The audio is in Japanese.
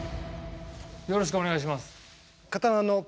よろしくお願いします。